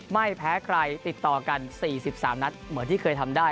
ไม่แพ้ใครติดต่อกัน๔๓นัดเหมือนที่เคยทำได้